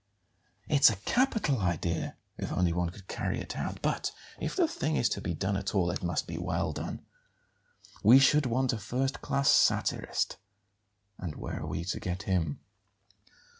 "It's a capital idea, if only one could carry it out; but if the thing is to be done at all it must be well done. We should want a first class satirist; and where are we to get him?"